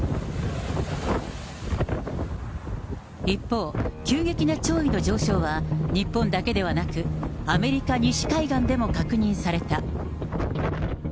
一方、急激な潮位の上昇は、日本だけではなく、アメリカ西海岸でも確認された。